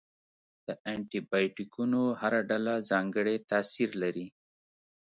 د انټي بیوټیکونو هره ډله ځانګړی تاثیر لري.